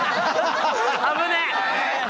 危ねえ！